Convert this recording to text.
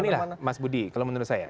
inilah mas budi kalau menurut saya